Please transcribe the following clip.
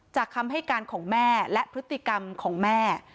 คำให้การของแม่และพฤติกรรมของแม่